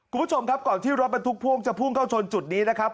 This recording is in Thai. คุณผู้ชมครับก่อนที่รถบรรทุกพ่วงจะพุ่งเข้าชนจุดนี้นะครับ